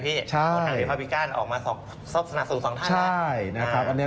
พวกทางพิภาพิการออกมาสร้างสนับสูตรสองท่านแล้ว